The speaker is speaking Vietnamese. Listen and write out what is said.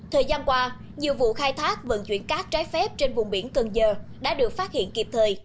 thời gian qua nhiều vụ khai thác vận chuyển cát trái phép trên vùng biển cần giờ đã được phát hiện kịp thời